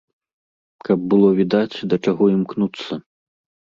Каб было відаць, да чаго імкнуцца.